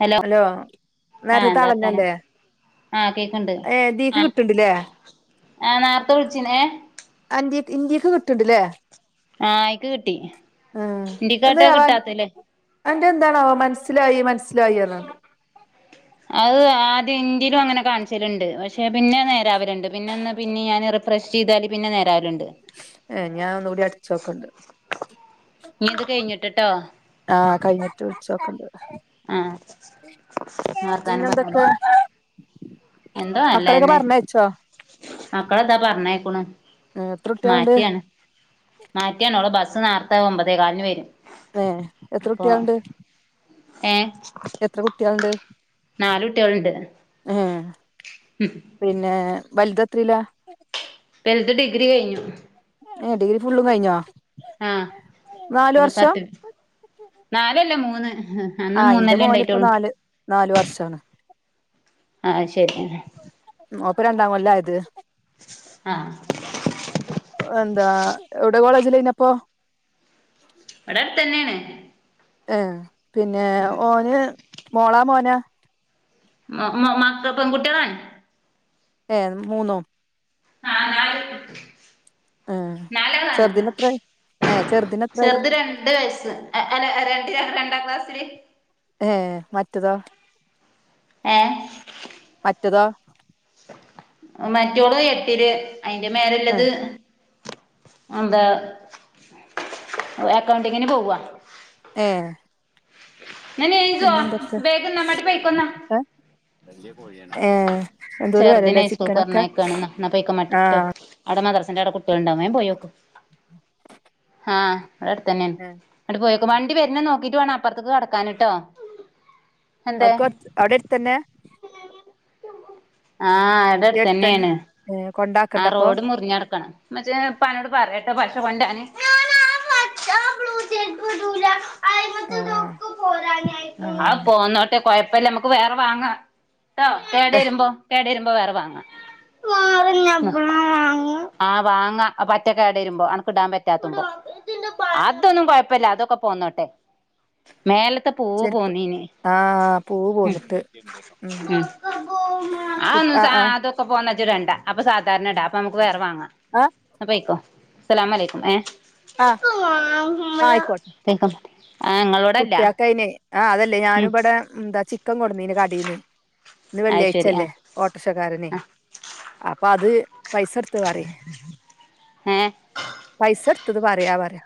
Hello hello ആഹ്.. നേരത്തെ എന്താർത്താനം? ആളന്നല്ലേ ആഹ്.. കേക്ണ്ട് ഏ ഇതിക്ക് ആ.. കിട്ടണ്ടില്ലേ ആ നേർത്തെ വിൾച്ചീനേ.. അന്റിക് ഇന്റീകും കിട്ട്ണ്ട്ല്ലേ ആ.. അയിക്ക് കിട്ടി ഹ് ഇന്റിക്കാഹ്ട് ക് ട്ടാത്തെഹ് ലെ അന്റെന്താണാവോ മൻസ്സിലായി മൻ സ്സിലായി എന്നാണോ അഹ് ആദ്യം ഇന്റിലും അങ്ങനെ കാൺ ച്ല്ണ്ട് പക്ഷേ പിന്നെ നേരാവല്ണ്ട് പിന്നെ ന്ന് പിന്നിം യാന് റിഫ്രശീതാല് പിന്നെ നേരാവല്ണ്ട് ഏ.. ഞാന്നൊന്നുടി അട്ച്ചോക്കണ്ട് ഇനി ഇത് കഴിഞ്ഞിട്ട്ട്ടോ ആഹ്.. കയിഞ്ട്ട് വുൾച്ചോകണ്ട് അഹ്ഹെ ആ ഹേ.. പിന്നെന്തൊക്കെ എന്ത അല്ലെന്നെ മക്കളെന്താ പറന്നെയ് ക്കുണു ഉം എത്ര കുട്ടികളുണ്ട് മാറ്റാണ് മാറ്റാണോളെ ബസ് നേർത്തെ ഒമ് മ്പതേഗാലിന് വരും ഏ.. അപ്പൊ എത്രട്ടിള്ണ്ട് എത്ര കുട്ട്യാള്ണ്ട് നാല്കുട്ടിള്ണ്ട് യേ.. മ്.. ഹ് പിന്നെ.. വൽദെത്രിലാ? വെൽദ് ഡിഗരി കഴിഞ്ഞു ഏ.. ഡ്ഗ് രി ഫുള്ളും കയിഞ്ഞോ? ആഹ്.. എന്തസർട്ടി നാലല്ല മൂന്ന് ഹ്.. ആ അന്ന് ഇന്റെ മൂന്നല്ലെ ഇ മോനിപ്പോ ണ്ടായ്ട്ടൊള്ളൂ നാല് വർഷാണ് ആ.. അഹ് ശരി ഹ് ഓപ്പ രണ്ടാം കൊല്ലയത് സ്.. സ്‌ ആഹ് ഓന്താ.. എവ്ടെ കോളേജില് ന്നപ്പോ ഇവ്ടെട്തന്നെണ് ഏ.. പ്ന്നെ.. ഓന് മോളാ മോന? മ മക്കൾ പെൺ കുട്ടികൾ അണ് ഏ മൂന്നും ആഹ് നാലാൾ ഏഹ് നാല്‌ ആൾ ആണ് ചെറുതിനെത്രായി ഏഹ് ചെറുതിനെത്രായി ചെറുത് രണ്ട് രണ്ട് വയസ്സ് അ അല്ല രണ്ടില രണ്ടാം ക്ലാസ്സില് ഏ മറ്റതോ ഏ മറ്റതോ മറ്റോള് എട്ട്ല് അയ്ന്റെ മേലെള്ളത് ഏഹ് എന്ത അക്കൗണ്ടിങ്ങ്ന്പോവാ ഏ [unintelligible] ഏ വലിയ കോഴിയാ ഏ ചെറുദിനെസ്കൂളിൽക്ക് പറഞ്ഞയക്കണ് ഇന്നാ ഇമ്മാടിട്ടോ ആഹ് അവിടെ മദറസന്റെ അവിടെ കുട്ടികൾ ഉണ്ടാക്കും വേം പോയോക്ക് [inaudible] ആഹ് അവിടെ അടുത് തന്നെണ് ഏഹ് അങ്ങട്ട്പോയോക് വണ്ടി വരുന്ന നോക്കിട്ട് വേണം അപ്പുറത്തേക്ക് കടക്കാൻട്ടോ വർക്ക് [unintelligible] അവിടെ അടുത്തന്നെ ആഹ് ഇവടെ അടുത്തന്നെണ് എ കൊണ്ടാക്ക ആഹ് റോഡ് മുറിഞ്ഞ് കടക്കണം ഇമ്മച്ചി ഇപ്പനോട് പറട്ടോ പഷ കൊണ്ടരാൻ ആഹ് അത് ആഹ് പോന്നോട്ടെ കൊഴപ്പില്ല മ്മുക്ക് വേറെ വാങ്ങ [unintelligible] ആ ഏഹ് വാങ്ങാ പറ്റെ കൊട്‌ വരുമ്പോ അനക്ക് ഇടാൻ പറ്റാത്തുമ്പോ ചെരുപ്പ് [unintelligible] ആഹ് പൂവ് ഉം പോന്നിട്ട് ഉം കുട്ട് ആഹ് ആഹ് അത്ഒക്കെ പോന്ന ഇജ് ഇടണ്ടഅപ്പൊ സാധാ സാധരണ ഇടാഅപ്പൊ നമുക്ക് വേറെ വാങ്ങാം ആഹ് ന്ന പേയിക്കോ അസലാമു അലയ്ക്കും ഏ ആഹ് [unintelligible] ഇങ്ങളോടല്ല കുട്ടിയോക്അയിന് ആഹ് അതല്ലേ ഉം ഞാനുഇവിടെ എന്താ ചിക്കൻ കൊടുന്നീന് കടീന് ഇന്ന് അത് ശരി ആ വെള്ളിയാഴ്ചല്ലേ ഓട്ടോക്ഷക്കാരനെ ആ അപ്പൊ അത് പൈസ എടു ഇത്പറി ഏ പൈസ എടുതത്ത് പറയാ പറയാ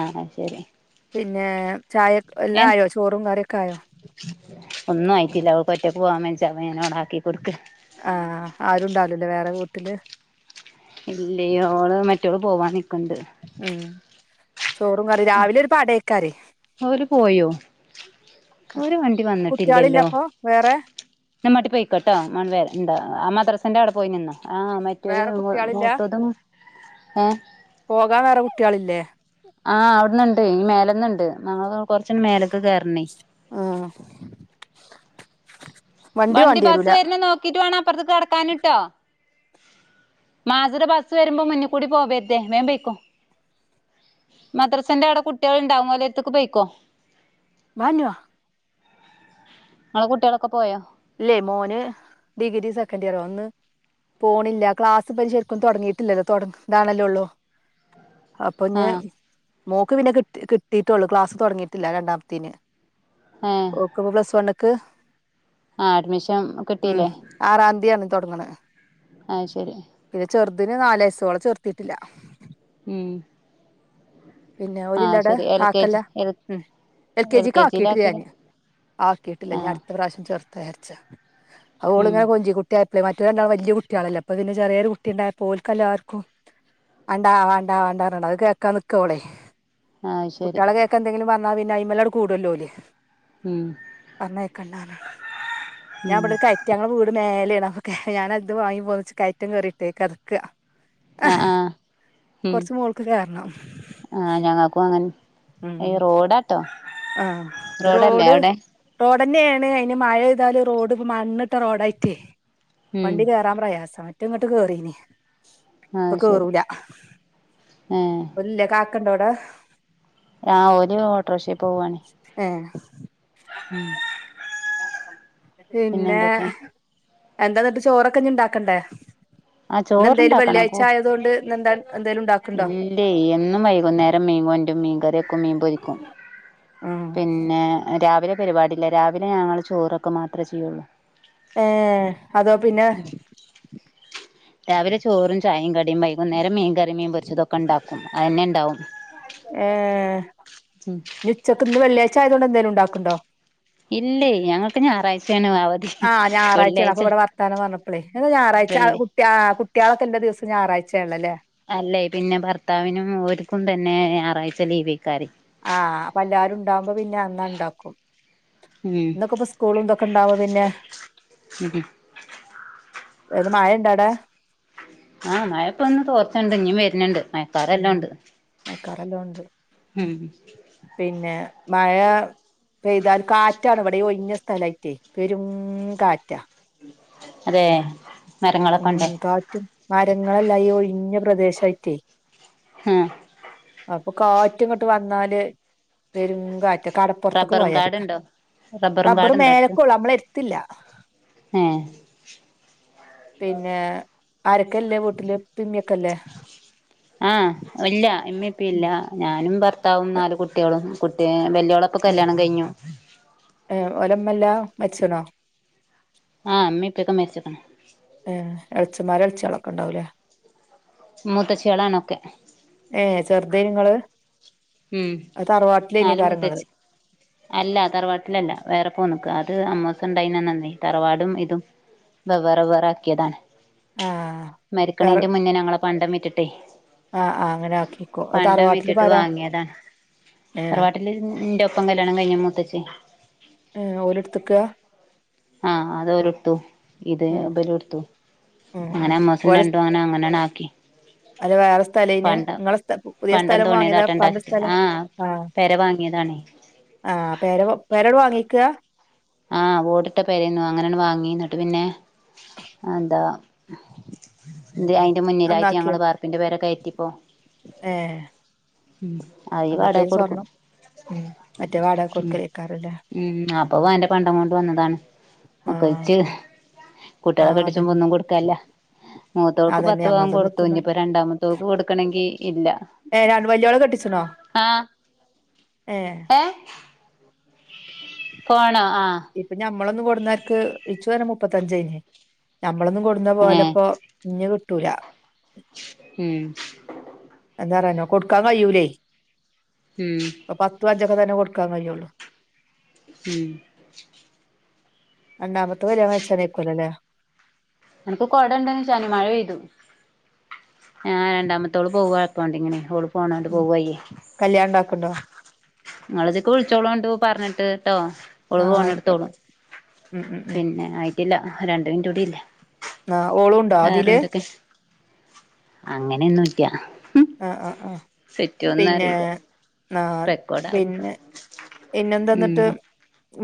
ആഹ് ആഹ് ശരി പിന്നെ ചായ ഏ എല്ലായോ ചോറും കറിയൊക്കെ ആയോ ഒന്നും ആയിട്ടില്ല ഓൾക്ക്ഒറ്റക്ക് പോവാൻ വെജ്ജ അപ്പോ ഞാൻ അവടെ ആക്കി കൊട്ക്ക ആഹ് ആരുണ്ടാവോലല്ലേ വേറെ വിട്ടില് ഇല്ലോ ഓള് മറ്റോള് പോവാൻ നിക്ക്ണ്ട് ഉം ചോറും കറി രാവിലൊരു പടേക്കാരേ ഓല് പോയോ ഓര് വണ്ടി കുട്ടികളില്ല അപ്പൊ വേറെ [unintelligible] മറ്റോര് വേറെ കുട്ട്യാളില്ല മൂത്തതും ഏ പോകാൻ വേറെ കുട്ട്യാള്ല്ലേ ആ അവ്ട്ന്ന്ണ്ട് ഈ മേലന്ന്ണ്ട് ഞങ്ങളത്ണ്ട് കൊർച്ച്ണ്ട് മേലക്ക് കേറണെ ഉം [unintelligible] മാസിടെബസ് വരുമ്പോ മുന്കൂടി പോവരുത് വേഗം പെയ്ക്കോ [unintelligible] [unintelligible] ഇങ്ങളെ കുട്ടികളൊക്കെ പോയോ ഇല്ലേ മോന് ഡിഗ്രി സെക്കന്റിയറ ഒന്ന് പോണില്ല ക്ലാസിപ്പ ശര്ക്കും തൊട്ങ്ങീട്ടില്ലല്ലോ തൊട് താണല്ലൊള്ളൂ. ആ അപ്പഞ് മോക്ക് പിന്നെ കിട്ടി കിട്ടിട്ടൊള്ളു ക്ലാസ്സ് തൊട്ങ്ങീട്ടില്ല രണ്ടാമത്തീന്. ഏഹ്. ക്കിപ്പോ പ്ലസ് വണ്ണ് ക്ക്. ആഹ് അഡ്മിഷം. ഉം ആറാന്ത്യാണ് തൊട്ട്ങ്ണ. ആഹ് ശരി. പിന്നെ ചെർതിന് നാലയ്സ്സ് ഓളെ ചേർത്തിട്ടില്ല. ഉം. പിന്നെ ആ ഓലില്ലടെ ശരി എൽ കെ കാക്കല്ല? ജി എൽ ഉം എൽ കെ ജി ക്കാക്കിട്ടില്ല ഞാന്. ആക്കീട്ട്ല്ല ആ ഞട്ത്ത പ്രാശ്യം ചേർത്താചാര്ച്ച അ ഉം ഓളിങ്ങനെ കൊഞ്ചി ട്ട്യായപ്പളെ മറ്റോല് രണ്ടാളും വല്ല്യ കുട്ട്യാളല്ലേ അപ്പ പിന്നെ ചെറ്യേരു കുട്ടിണ്ടായപ്പോ ഓൽക്കെല്ലാര്ക്കും. അണ്ടാ വാണ്ടാ വാണ്ടാർഞ്ഞങ്ങണ്ട് അത് കേക്കാ ക്കവ്ടെ ആ ശരി കുട്ട്യാളെ കേക്ക എന്തെങ്കിലും പർഞ്ഞാ പിന്നെ അയ്മലട് കൂടുല്ലോല്. ഉം പർഞ്ഞയ്ക്കണ്ടർഞാണ്ട് ഉം ഞാബ്ട്ക്കയ്. ഞങ്ങള വീട് മേലെണ് അപ്പൊ കേയ ഞാനാത് വാങ്ങി പോന്നിച്ച് കയറ്റം കേറീട്ടെ കെത്ക്ക. അ ആഹ് ഉം മോൾക്ക് കേറണം ആഹ് ഞങ്ങക്കു അങ്ങനെ ഉം ഏയ് റോഡാട്ടോ റോഡല്ലേ അവടെ? റോഡന്നേണ് അയ്ന് മഴെയ്താല് റോഡ് മണ്ണ്ട്ട റോഡായ്ട്ടേ. ഉം വണ്ടി കേറാൻ പ്രയാസാ മറ്റേ ഇങ്ങട്ട് കേറീനി. പ്പ ആഹ് ശരി കേറൂല ഏഹ് ഓല് ല്ലേ കാക്കണ്ടവടെ? ആഹ് ഓല് ഓട്ടർഷീ പോവാ ഏഹ്. [inaudible] പിന്നെ എന്താന്നട്ട് ചോറൊക്കഞ്ഞിണ്ടാക്കണ്ടേ? ആഹ് ന്നെന്തേനി ചോറുണ്ടാക്കണം വെള്ള്യായ്ച ആയതോണ്ട് ഇന്നെന്താണ് എന്തേലുണ്ടാ ഇല്ലയ് എന്നും വൈകുന്നേരം മീ കൊണ്ട്രും മീങ്കറിയെക്കും മീൻ പൊരിക്കും. ഉം പിന്നെ രാവിലെ പരിവാടില്ല രാവിലെ ഞങ്ങള് ചോറൊക്കെ മാത്രേ ചെയ്യുള്ളൂ. ഏഹ് അതോ പിന്നെ. രാവിലെ ചോറും ചായിം കടിം വൈകുന്നേരം മീൻകറിം മീൻപൊ ര്ച്ചതൊക്കെണ്ടാക്കും അതന്നെണ്ടാവും. ഏഹ് ഉം ഞുച്ചക്ക്‌ ന്ന് വെള്ള്യായ്ചായതോണ്ട് എന്തേലു ണ്ടാക്ക്‌ണ്ടോ? ഇല്ലേയ് ഞങ്ങക്ക് ഞാറാഴ്ചയാണ് അവധി വെള്ളിഴ്ച [unintelligible] പ്പളെയ് ക്ക ഞാറാഴ്ചാ അ കുട്ട്യാ കുട്ട്യാളൊക്കെല്ല ദിവസം ഞാറായ്ചേണല്ലൊ ലേ? അല്ലെയ് പിന്നെ ഭർത്താവിനും ഓര്ക്കും തന്നെ ഏഹ് ഞാറാഴ്ച ലീവേക്കാരേ. ആഹ് അപ്പല്ലാരുണ്ടാവുമ്പ പിന്നെ അന്നാ ണ്ടാക്കും. ഉം ഇതൊക്കെപ്പ സ്കൂളും തൊക്ക ണ്ടാവു പിന്നെ. ഉം ത് മഴണ്ടോവടെ? ആഹ് മയപ്പൊന്ന് തോർച്ചണ്ട് ഇഞ്ഞ് വര്ണ്ണ്ട് മയ. ഉം മഴക്കാറ് നല്ലോണ്ട്. ഉം. പിന്നെ മഴ പെയ്താൽ കാറ്റാണിവിടെയ് ഈ ഒയ്ഞ്ഞ സ്ഥലായ്റ്റേ. പെരും കാറ്റ. അതേ? ഉം കാറ്റും മരങ്ങളെല്ലാ ഈ ഒഴിഞ്ഞ പ്രദേശായ്ട്ടേ. ഹാഹ്. അപ്പൊ കാറ്റ്ങ്ങട്ട് വന്നാല് പെരും കാ റ്റ് കടപ്പൊർത്ത്ക്ക് റബ്ബറും പോയര്ക്ക കാടുണ്ടോ റബ്ബറും റബ്ബറ് കാടുണ്ടോ അടുത്ത് മേലക്കൊള്ളൂ ഞമ്മളെര്ത്തില്ല. ഏഹ് പിന്നെ ആരക്കെ ല്ലേ വീട്ടില് ഇപ്പീമ്മിക്കല്ലേ ആഹ് ഇല്ല ഇമ്മി ഇപ്പല്ല ഞാനും ഭർത്താവും നാല് കുട്ട്യോളും കുട്ടി വല്യാള ഇപ്പ ഉം കല്യാണ കൈയിഞ്ഞു ഏഹ് ഓലെമ്മ ഇല്ലാ മരിച്ചി ണോ ആഹ് അമ്മ ഇപ്പഴക്കും മരിച്ചത ഏഹ് എളച്ചിമാരും എളച്ചകളൊക്കെണ്ടാവൂലേ മൂത്തച്ചിളാണൊക്കെ ഏഹ് ചെറുതേനി നിങ്ങള് ഉം തറവാട്ടിലേ നാല് കാര്യങ്ങൾ മൂത്തച്ചി അല്ല തറവാട്ടിലല്ല വേറെ പോന്ന്ക്ക് അത് അമ്മോസ ഇണ്ടായിനന്ന് തറവാടും ഇതും വെവ്വേറെ വേറാക്കിയതാണ് ആഹ് വേറെ മരിക്കണീന്റെ മുന്നേ ഞങ്ങളെ കണ്ടം വിറ്റിട്ടേ ആഹ് ആഹ് അങ്ങനെ ആക്കിക്കോ പണ്ടം തറവാട്ടിലി വിറ്റിട്ട് ഇപ്പാരാ വാങ്ങിയതാണ് തറവാട്ടില് എന്റെപ്പം കല്യാണകയിഞ്ഞ മൂത്തച്ചി ഏഹ് ഓലെട്ത്ത്ക്ക ആഹ് അതോല്ട്ത്തു ഇത് ഉം ഇബലൊടുത്തു ഉം ഉം അങ്ങനെ അമ്മോസൻ ഓലെ രണ്ടു വൻ അങ്ങനങ്ങ് ആക്കി അല്ല വേറെ സ്ഥലേന് പണ്ടം ഇങ്ങളെ സ്ഥ പുതിയ പണ്ട സ്ഥലം [unintelligible] വാങ്ങിയതാ കാട്ടേണ്ടാ ഇപ്പാന്റെ സ്ഥലാ ആഹ് പെര വാങ്ങിയതാണ് ആഹ് പെര പെരോടെ വാങ്ങിയേക്ക ആഹ് ഓടിട്ട പെരേന്നു അങ്ങനാണ വാങ്ങി ഇന്നട്ട് പിന്നെ എന്താ അയിന്റെ മുന്നിലായിട്ട് നന്നാക്കിയോ ഞങ്ങള് ബാർപ്പിന്റെ പെര കായിറ്റിപ്പോ ഏഹ് അന്നൊക്കയ്ന് അയിവാടകകൊടുക്കും സ്വർണം ഉം മറ്റേ വാടക കൊടുക്കലേക്കാരല്ലേ ഉം അപ്പ അന്റെ പണ്ടകൊണ്ട് വന്നതാണ് ആഹ് [unintelligible] കുട്യോള ആഹ് കെട്ടിച്ചപ്പോ അതന്നെ ഒന്നും കൊടുക്കാനില്ല മൂത്തോൾക്ക് അതന്നെ പത്ത് ഞമ്മൾതൊന്നും പവൻകൊടുത്തു എത്തുന്നൂല ഇനിപ്പോ രണ്ടാമ മുത്തവൾക്ക് കൊടുക്കണെങ്കി ഇല്ല ഏഹ് രണ്ട് വല്ല്യ യോള കെട്ടിച്ചണോ ആഹ് ഏഹ് ഫോണോ ആഹ് ഇപ്പൊ ഞമ്മളൊന്ന് കൊടുന്നർക്ക് ഇച്ചു വര മുപ്പത്തഞ്ചനേ ഞമ്മളൊന്നും കൊടുന്ന ഏ പോലിപ്പോ ഇഞ്ഞ് കിട്ടൂല ഉംഹ് എന്താറാനോ കൊടുക്കാൻ കഴിയുലേ ഉം പത്തു അഞ്ചൊക്കെ തന്നെ കൊടുക്കാൻ കയ്യൂള്ളൂ ഉം രണ്ടാമത്തെ [unintelligible] ലല്ലേ എനക്ക് കുട ഉണ്ടേന്ന് ശാനി മഴ പെയ്തു ആഹ് രണ്ടാമത്തോള് പോവ അകൗണ്ടിങ്ങിന് ഓള് പോണണ്ട് ഉം പോവയ്യേ കല്യാണം ഇണ്ടാക്ക്ണ്ടോ നിങ്ങളതിക്ക് വിളിച്ചോളുണ്ട് പറഞ്ഞിട്ട് ട്ടോ ഒള് ആഹ് ഫോണെടുത്തോളു ആയിക്കോട്ടെ ഉം ഉം ഉം പിന്നെ ആയിട്ടില്ല രണ്ട് മിൻറ്റൂടിയില്ലേ ആഹ് ഓളോണ്ടോ വേറെന്തൊക്കെ അങ്ങനെയൊന്നു ല്ല ആഹ് ആഹ് ആഹ് പിന്നെ അറിയില്ല ആഹ് റെക്കോർഡ് ആവുമ്പോ പിന്നെ പിന്നെന്തന്നിട്ട് ഉം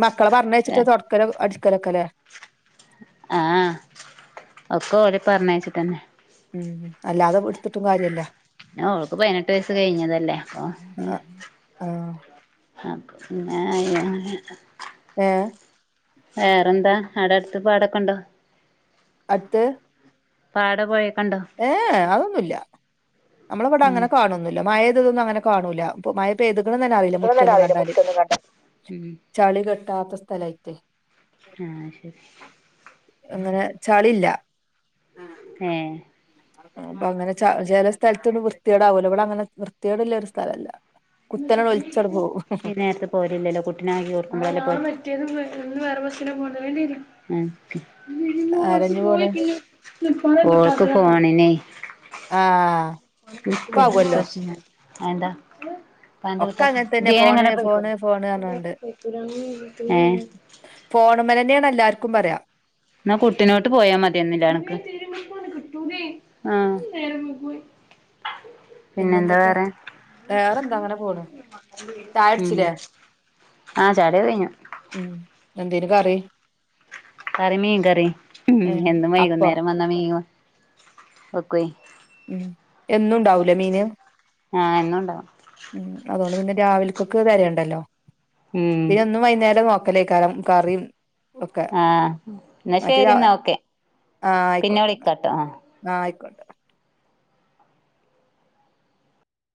മക്കള പറഞ്ഞയച്ചിട്ടെ തൊ [unintelligible] അടിക്കലൊക്ക ലേ ആഹ് ഒക്കെ ഓല പറഞ്ഞയച്ചിട്ടന്നെ ഉം അല്ലാതെ എടുത്തിട്ടും കാര്യമില്ല ആഹ് ഓൾക്ക് പതിനെട്ട് വയസ്സ് കഴിഞ്ഞതല്ലേ അപ്പൊ ആഹ് അഹ് പിന്നെ [unintelligible] ഏഹ് വേറെന്താ ആട അടുത്ത് പാടൊക്കെ ഇണ്ടാ അത്ത് പാട പോയേക്കണ്ടോ ഏഹ് അതൊന്നുല്ല നമ്മള ഇവിടെ ഏഹ് അതൊന്നൂല നമ്മളെ വീട് ഉം അങ്ങനെ കാണൊന്നൂല്ല മഴയ്തതൊന്നും അങ്ങനെ കാണൂല്ല ഇപ്പൊ മഴ പ്പേയ്തുക്കുണു തന്നെ അറിയില്ല മുറ്റൊന്നും കണ്ടാല് ഉം ചളി കെട്ടാത്ത സ്ഥലായിട്ടെ ആഹ് അയ് ശരി അങ്ങനെ ചളില്ല ഏഹ് അപ്പൊ അങ്ങനെ ചില സ്ഥലത്തണ്ട് വൃത്തിയേടാവൂലേ ഇവടെ അങ്ങനെ വൃത്തിയേട് ള്ള ഒരു സ്ഥലം ല്ല. കുത്തന ഒലിച്ചട് പോവും പോര്ണില്ലല്ലോ കുട്ടിനയിൽ ചേർക്കുമ്പോളല്ലേ ആരഞ്ഞു പോണ് ഉമ് ഓൾക്ക് ഫോണിനെ ആഹ് ഇപ്പ ആവല്ലോ അയെന്താ ഒക്കെ അങ്ങനെ തന്നെ ഫോണ് ഫോണ് ഫോണ് പറഞ്ഞാണ്ട് ഏഹ് ഫോണ് മ്മലെന്നെ എല്ലാർക്കും പറയാം ന്നാ കുട്ടിനോട്ട് പോയാ മതിയാന്നില്ലേ അണക്ക് ആഹ് പിന്നെന്താ പിന്നെന്തൊക്കെ വേറെ വേറെന്താ അങ്ങനെ പോണ് ചായ ഉമ് കുടിച്ചില്ലേ ആഹ് ചായൊടിക്കെ കയ്ഞ്ഞു എന്തേര്ന്നു കറി കറി മീൻ കറി ഉമ് ഏ എന്നും അപ്പോ വൈകുന്നേരം വന്നാ മീൻ വെക്കൊയ് ഉമ് എന്നും ഇണ്ടാവൂലേ മീന് ആഹ് എന്നും ഇണ്ടാവും ഉമ് അതോണ്ട് പിന്നെ രാവിലക്കെക്ക് തരേണ്ടല്ലോ ഉം പിന്ന എന്നും വൈന്നേരം നോക്കലേക്കാരം കറിം ഓക്കെ ആഹ് എന്നാ മറ്റത് ശരി എന്നാ ഓക്കെ ആഹ് പിന്നെ ആയിക്കോട്ടെ ന്നാൽ വിളിക്കാട്ടോ ആഹ് ആഹ് ആയിക്കോട്ടെ